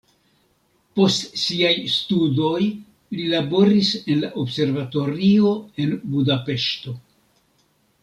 Post siaj studoj li laboris en la observatorio en Budapeŝto.